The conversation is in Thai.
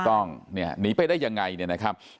ถูกต้องหนีไปได้ยังไงเนี่ยนะครับ